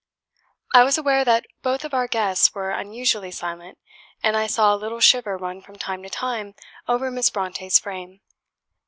I was aware that both of our guests were unusually silent; and I saw a little shiver run from time to time over Miss Brontë's frame.